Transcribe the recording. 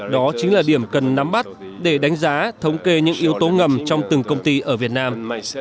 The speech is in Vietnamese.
đó chính là điểm cần nắm bắt để đánh giá thống kê những yếu tố ngầm trong từng công ty ở việt nam